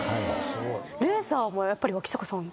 レーサーもやっぱり脇阪さん